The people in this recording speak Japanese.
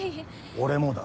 俺もだ。